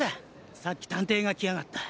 さっき探偵が来やがった。